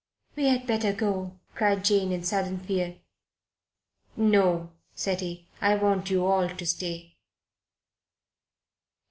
"We had better go," cried Jane in sudden fear. "No," said he. "I want you all to stay."